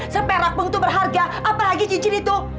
saperak bengkutu berharga apalagi cincin itu